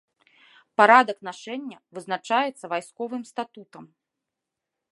Парадак нашэння вызначаецца вайсковым статутам.